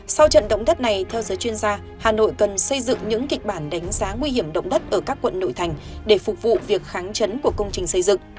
sau trận động đất này theo giới chuyên gia hà nội cần xây dựng những kịch bản đánh giá nguy hiểm động đất ở các quận nội thành để phục vụ việc kháng chấn của công trình xây dựng